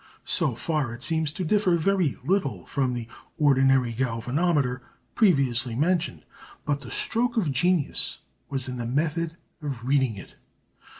So far it seems to differ very little from the ordinary galvanometer previously mentioned, but the stroke of genius was in the method of reading it.